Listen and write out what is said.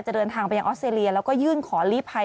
เดินทางไปยังออสเตรเลียแล้วก็ยื่นขอลีภัย